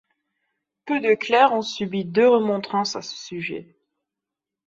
Peu de clercs ont subi deux remontrances à ce sujet.